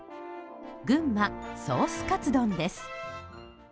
群馬ソースかつ丼です。